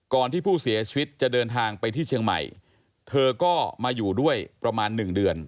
ที่ผู้เสียชีวิตจะเดินทางไปที่เชียงใหม่เธอก็มาอยู่ด้วยประมาณหนึ่งเดือน